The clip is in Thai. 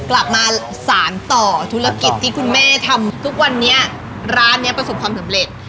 กลับมาสารต่อธุรกิจที่คุณแม่ทำทุกวันนี้ร้านเนี้ยประสบความสำเร็จ